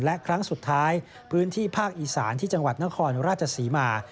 และครั้งสุดท้ายพื้นที่ภาคอีสานที่จังหวัดนครราชศรีมา